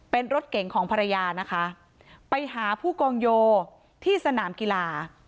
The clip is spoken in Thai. เป็นรถเก่งของภรรยานะคะไปหาผู้กองโยที่สนามกีฬา